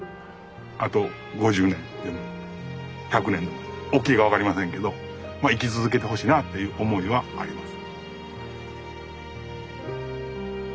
あと５０年でも１００年でもおっきいか分かりませんけどまあ生き続けてほしいなあっていう思いはあります。